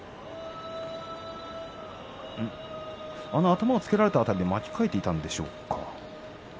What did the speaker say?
頭をつけられた辺りで巻き替えていたんでしょうか。